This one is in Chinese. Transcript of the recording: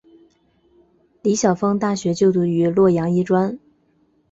李晓峰大学就读于洛阳医专。